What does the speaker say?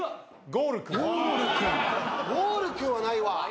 ゴールくんはないわ。